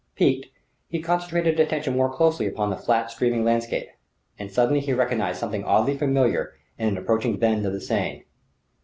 Piqued, he concentrated attention more closely upon the flat, streaming landscape. And suddenly he recognized something oddly familiar in an approaching bend of the Seine.